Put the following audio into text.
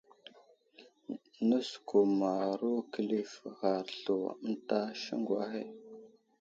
Nəsəkumərayo kəlif ghar slu ənta siŋgu ahe.